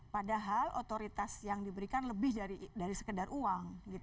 padahal otoritas yang diberikan lebih dari sekedar uang